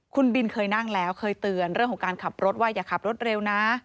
คุณบินเคยนั่งแล้วเคยเตือนเรื่องของการขับรถว่าอย่าขับรถเร็วนะ